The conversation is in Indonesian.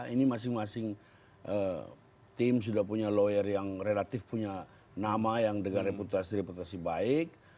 ini masing masing tim sudah punya lawyer yang relatif punya nama yang dengan reputasi reputasi baik